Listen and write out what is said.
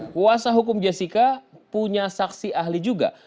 kuasa hukum jessica punya saksi ahli juga